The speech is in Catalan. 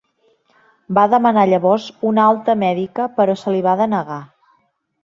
Va demanar llavors una alta mèdica, però se li va denegar.